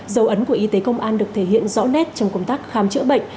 dấu ấn của y tế công an được thể hiện rõ nét trong công tác khám chữa bệnh